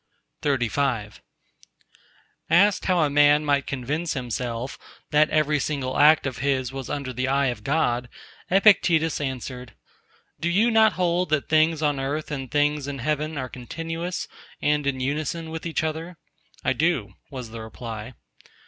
XXXVI Asked how a man might convince himself that every single act of his was under the eye of God, Epictetus answered:— "Do you not hold that things on earth and things in heaven are continuous and in unison with each other?" "I do," was the reply.